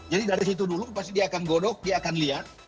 jadi dari situ dulu pasti dia akan godok dia akan lihat